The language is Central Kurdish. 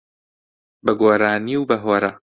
بە گۆرانی و بە هۆرە